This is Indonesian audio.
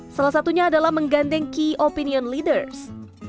salah satunya adalah menggandeng key opinion leaders